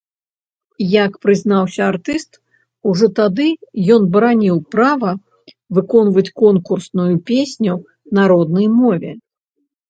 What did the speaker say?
Як прызнаўся артыст, ужо тады ён бараніў права выконваць конкурсную песню на роднай мове.